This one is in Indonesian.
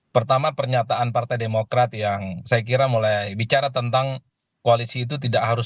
pertama pernyataan partai demokrat yang saya kira mulai bicara tentang koalisi itu tidak harus